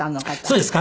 そうです。